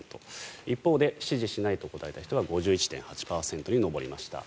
一方で支持しないと答えた人は５１．８％に上りました。